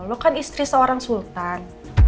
lo kan istri seorang sultan